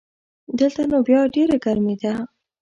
دلته نو بیا ډېره ګرمي ده